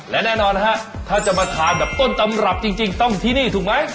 และแน่นอนฮะถ้าจะมาทานแบบต้นตำรับจริงต้องที่นี่ถูกไหม